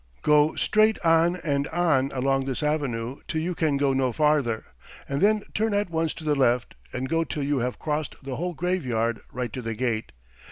"Go straight on and on along this avenue till you can go no farther, and then turn at once to the left and go till you have crossed the whole graveyard right to the gate.